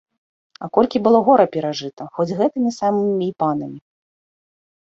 А колькі было гора перажыта хоць гэтымі самымі і панамі.